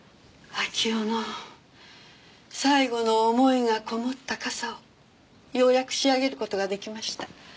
秋生の最後の思いがこもった傘をようやく仕上げる事が出来ました。